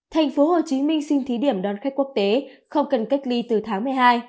thành phố hồ chí minh xin thí điểm đón khách quốc tế không cần cách ly từ tháng một mươi hai